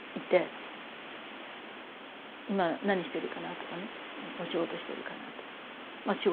「今何してるかな」とかね「お仕事してるかな」とかって。